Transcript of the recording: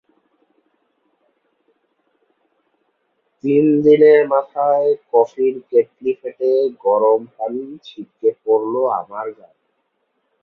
তিন দিনের মাথায় কফির কেটলি ফেটে গরম পানি ছিটকে পড়ল আমার গায়ে।